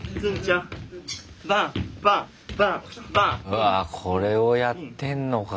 うわこれをやってんのか。